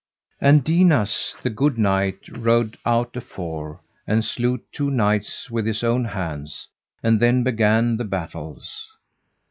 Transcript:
And Dinas, the good knight, rode out afore, and slew two knights with his own hands, and then began the battles.